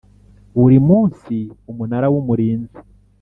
buri munsi Umunara w Umurinzi